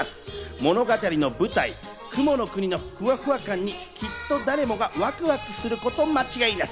物語の舞台、雲の国のふわふわ感にきっと誰もがワクワクすること間違いなし！